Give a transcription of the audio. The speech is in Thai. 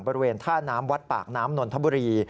บริเวณท่าน้ำวัดปากน้ำนนทบุรี